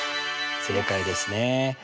正解ですね。